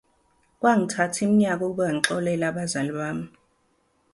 Kwangithatha iminyaka ukuba ngixoxele abazali bami.